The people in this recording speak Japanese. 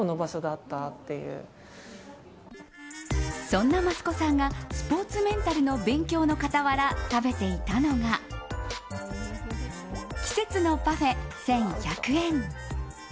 そんな益子さんがスポーツメンタルの勉強の傍ら食べていたのが季節のパフェ、１１００円。